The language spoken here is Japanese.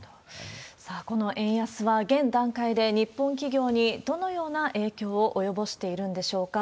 さあ、この円安は現段階で日本企業にどのような影響を及ぼしているんでしょうか。